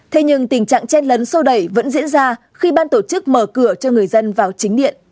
thế nhưng tình trạng chen lấn sô đẩy vẫn diễn ra khi ban tổ chức mở cửa cho người dân vào chính điện